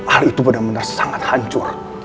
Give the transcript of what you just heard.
al itu bener bener sangat hancur